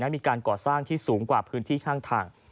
มีการก่อสร้างที่สูงกว่าพื้นที่ข้างทาง